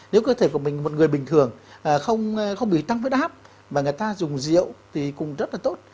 nếu cơ thể của mình một người bình thường không bị tăng với đáp và người ta dùng rượu thì cũng rất là tốt